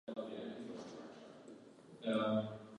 Lo scelse in onore di Paul Joseph Goebbels e Benjamin Franklin.